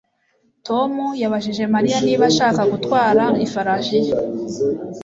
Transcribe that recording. Tom yabajije Mariya niba ashaka gutwara ifarashi ye